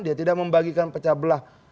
dia tidak membagikan pecah belah